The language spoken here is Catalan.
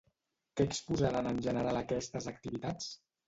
Què exposaran en general aquestes activitats?